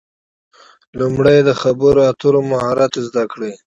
لومړی د خبرو اترو مهارت زده کړئ.